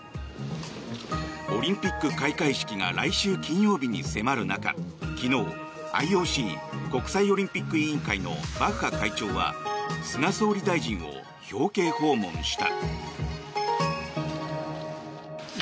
オリンピック開会式が来週金曜日に迫る中昨日、ＩＯＣ・国際オリンピック委員会のバッハ会長は菅総理大臣を表敬訪問した。